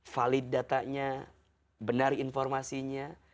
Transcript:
valid datanya benar informasinya